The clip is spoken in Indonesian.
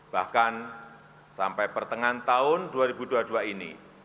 bahkan sampai pertengahan tahun dua ribu dua puluh dua ini